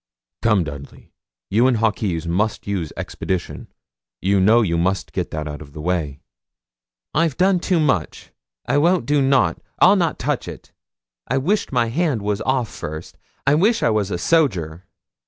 'Come, Dudley, you and Hawkes must use expedition. You know you must get that out of the way.' 'I've done too much. I won't do nout; I'll not touch it. I wish my hand was off first; I wish I was a soger.